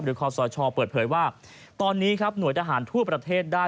บินไทยบินไทยสุวารีโคศกคณะรักษาความสมบัติแห่งชาติ